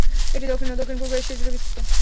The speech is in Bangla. এটি দক্ষিণ ও দক্ষিণ-পূর্ব এশিয়া জুড়ে বিস্তৃত।